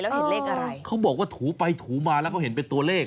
แล้วเห็นเลขอะไรเขาบอกว่าถูไปถูมาแล้วเขาเห็นเป็นตัวเลข